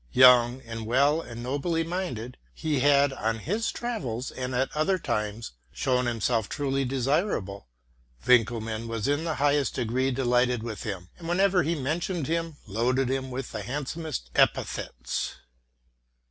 Young, well and nobly minded, he had RELATING TO MY LIFE. 273 on his travels and at other times shown himself truly desir able. Winckelmann was in the highest degree delighted with him, and, whenever he mentioned him, loaded him with the handsomest epithets.